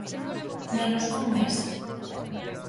Menos dun mes.